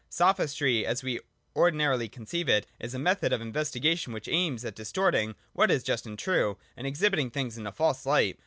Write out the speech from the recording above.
Sophistry, as we ordinarily conceive it, is a method of investigation which aims at distorting what is just and true, and exhibiting things in a false light.